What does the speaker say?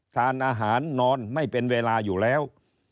ทานอาหารนอนไม่เป็นเวลาอยู่แล้ว